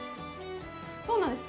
そうなんです。